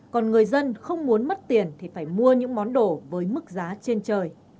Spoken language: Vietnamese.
còn người dân không muốn mất tiền thì phải mua những món đồ với mức giá trên trời